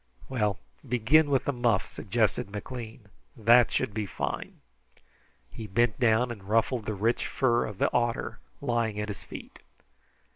"Well, begin with the muff," suggested McLean. "That should be fine." He bent down and ruffled the rich fur of the otter lying at his feet.